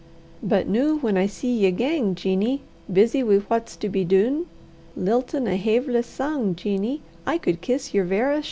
But noo, whan I see ye gang, Jeanie, Busy wi' what's to be dune, Liltin' a haveless sang, Jeanie, I could kiss yer verra shune.